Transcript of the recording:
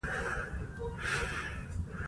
اوړي د افغانستان د طبیعت برخه ده.